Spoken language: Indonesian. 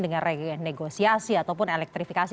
dengan renegosiasi ataupun elektrifikasi